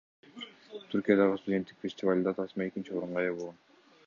Түркиядагы студенттик фестивалда тасма экинчи орунга ээ болгон.